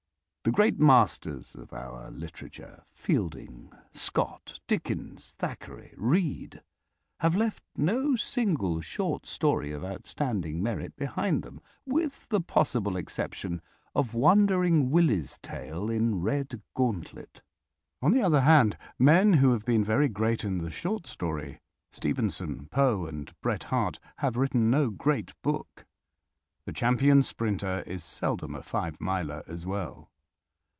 The great masters of our literature, Fielding, Scott, Dickens, Thackeray, Reade, have left no single short story of outstanding merit behind them, with the possible exception of Wandering Willie's Tale in "Red Gauntlet." On the other hand, men who have been very great in the short story, Stevenson, Poe, and Bret Harte, have written no great book. The champion sprinter is seldom a five miler as well.